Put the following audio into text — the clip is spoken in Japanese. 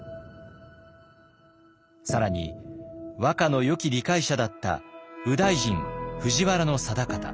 更に和歌のよき理解者だった右大臣藤原定方